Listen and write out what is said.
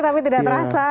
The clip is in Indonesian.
tapi tidak terasa